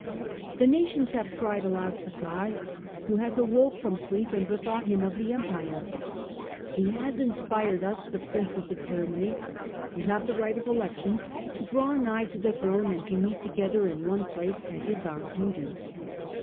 The nations have cried aloud to God, who has awoke from sleep and bethought him of the Empire. He has inspired us, the Princes of Germany who have the right of election, to draw nigh to the throne and to meet together in one place, as is our duty.